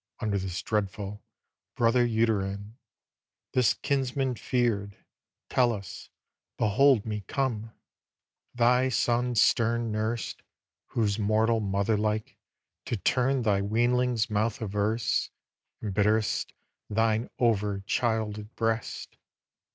Under this dreadful brother uterine, This kinsman feared, Tellus, behold me come, Thy son stern nursed; who mortal motherlike, To turn thy weanlings' mouth averse, embitter'st Thine over childed breast.